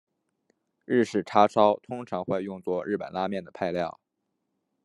日式叉烧通常会用作日本拉面的配料。